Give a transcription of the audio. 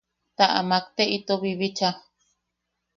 Ta amak te ito bibicha.